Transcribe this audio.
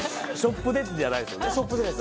ショップじゃないです。